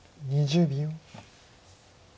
２０秒。